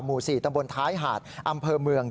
หมู่๔ตำบลท้ายหาดอำเภอเมือง